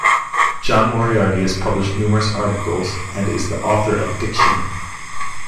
John Moriarty has published numerous articles and is the author of "Diction".